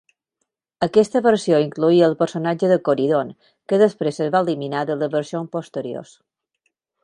Aquesta versió incloïa el personatge de Coridon, que després es va eliminar de les versions posteriors.